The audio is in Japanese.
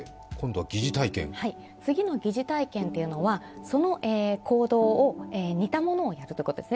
次の疑似体験というのは、その行動を、似たものをやるということですね。